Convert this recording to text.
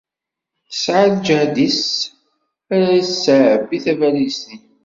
Tesεa lǧehd iss ara tεebbi tabalizt-nni.